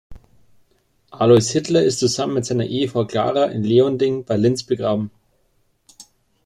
Alois Hitler ist zusammen mit seiner Ehefrau Klara in Leonding bei Linz begraben.